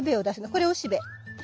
これおしべ。